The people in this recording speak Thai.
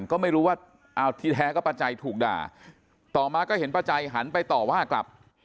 ก็ไม่รู้ว่าที่แท้ก็ป้าใจถูกด่าต่อมาก็เห็นป้าใจหันไปต่อว่ากลับ